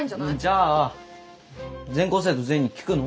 じゃあ全校生徒全員に聞くの？